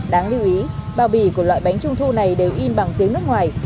đáng lưu ý bao bì của loại bánh trung thu này đều in bằng tiếng nước ngoài